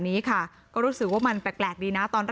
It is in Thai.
พี่สาวต้องเอาอาหารที่เหลืออยู่ในบ้านมาทำให้เจ้าหน้าที่เข้ามาช่วยเหลือ